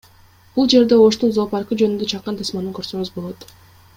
Бул жерден Оштун зоопаркы жөнүндө чакан тасманы көрсөңүз болот